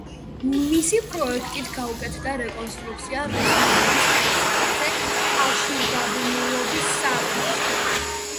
მისი პროექტით გაუკეთდა რეკონსტრუქცია რუსთაველის პროსპექტზე კავშირგაბმულობის სახლს.